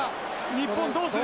日本どうする？